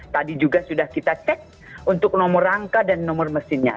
tadi juga sudah kita cek untuk nomor rangka dan nomor mesinnya